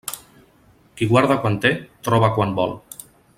Qui guarda quan té, troba quan vol.